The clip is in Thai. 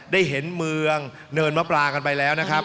ได้เห็นเมืองเนินมะปลากันไปแล้วนะครับ